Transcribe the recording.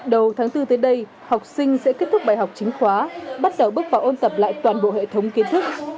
đầu tháng bốn tới đây học sinh sẽ kết thúc bài học chính khóa bắt đầu bước vào ôn tập lại toàn bộ hệ thống kiến thức